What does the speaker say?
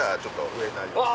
上になります。